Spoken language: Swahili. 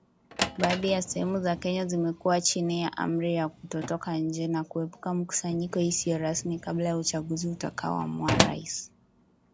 Baadhi ya sehemu za Kenya zimekuwa chini ya amri ya kutotoka nje na kuepuka mikusanyiko isiyo rasmi kabla ya uchaguzi utakao amua rais.